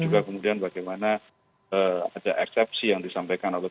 juga kemudian bagaimana ada eksepsi yang disampaikan oleh